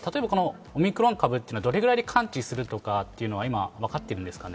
オミクロン株はどれぐらいで完治するとかっていうのはわかっているんですかね？